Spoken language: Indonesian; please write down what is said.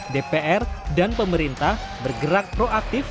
dpr dan pemerintah bergerak proaktif